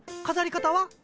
飾り方は？